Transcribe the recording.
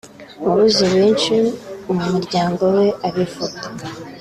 wabuze benshi mu muryango we abivuga